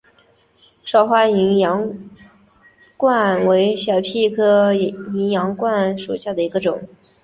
少花淫羊藿为小檗科淫羊藿属下的一个种。